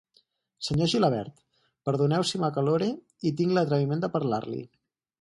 Senyor Gilabert, perdoneu si m'acalore i tinc l'atreviment de parlar-li.